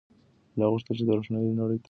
ملا غوښتل چې د روښنایۍ نړۍ ته سفر وکړي.